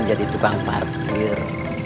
jadi tukang parkir